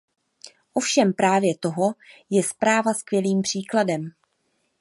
Ovšem právě toho je zpráva skvělým příkladem.